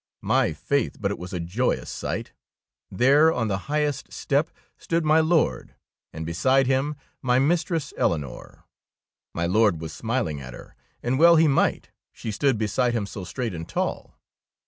My faith, but it was a joyous sight ! There on the highest step stood my Lord and beside him my mistress Eleo nore. My Lord was smiling at her, and well he might, she stood beside him so straight and tall.